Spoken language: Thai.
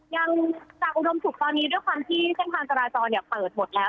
อย่างจากอุดมศุกร์ตอนนี้ด้วยความที่เส้นทางจราจรเนี่ยเปิดหมดแล้ว